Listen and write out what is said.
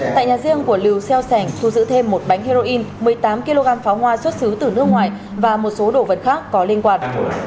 tại nhà riêng của lưu xeo sảnh thu giữ thêm một bánh heroin một mươi tám kg pháo hoa xuất xứ từ nước ngoài và một số đồ vật khác có liên quan